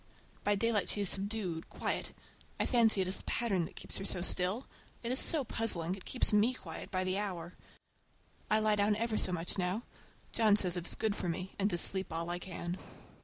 By daylight she is subdued, quiet. I fancy it is the pattern that keeps her so still. It is so puzzling. It keeps me quiet by the hour. I lie down ever so much now. John says it is good for me, and to sleep all I can.